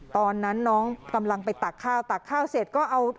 ตอนนั้นน้องกำลังไปตักข้าวตักข้าวเสร็จก็เอา